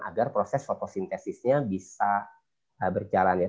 agar proses fotosintesisnya bisa berjalannya